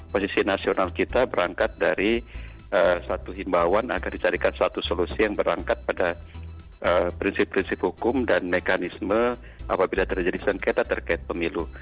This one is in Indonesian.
posisi nasional kita berangkat dari satu himbauan agar dicarikan satu solusi yang berangkat pada prinsip prinsip hukum dan mekanisme apabila terjadi sengketa terkait pemilu